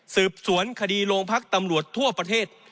สืบสวนคดีโรงพักตำรวจทั่วประเทศ